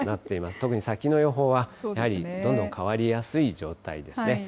特に先の予報は、やはりどんどん変わりやすい状態ですね。